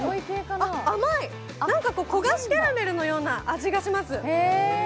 甘い、なんか焦がしキャラメルのような味がします。